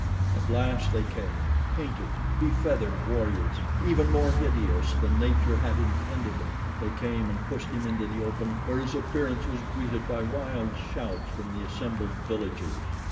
At last they came painted, befeathered warriors even more hideous than nature had intended them. They came and pushed him into the open, where his appearance was greeted by wild shouts from the assembled villagers.